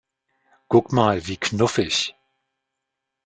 Guck mal, wie knuffig!